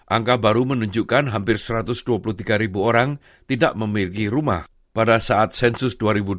angka baru menunjukkan hampir satu ratus dua puluh tiga ribu orang tidak memiliki rumah pada saat sensus dua ribu dua puluh satu